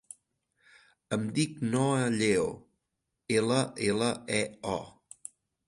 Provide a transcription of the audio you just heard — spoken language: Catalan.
Em dic Noha Lleo: ela, ela, e, o.